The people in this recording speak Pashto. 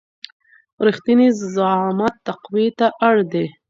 رښتينی زعامت تقوی ته اړ دی.